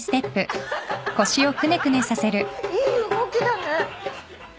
いい動きだね。